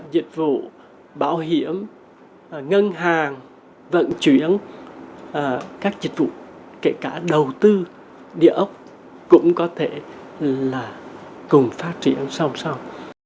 dịch vụ bảo hiểm ngân hàng vận chuyển các dịch vụ kể cả đầu tư địa ốc cũng có thể là cùng phát triển sau sau